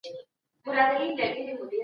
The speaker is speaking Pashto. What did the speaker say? ډیپلوماټیکې ناستي باید عملي پایلي ولري.